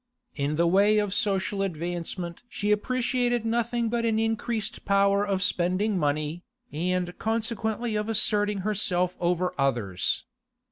In the way of social advancement she appreciated nothing but an increased power of spending money, and consequently of asserting herself over others.